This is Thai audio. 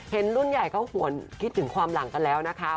รุ่นใหญ่เขาหวนคิดถึงความหลังกันแล้วนะคะ